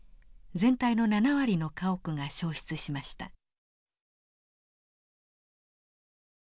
全体の７割の家屋が焼失しました。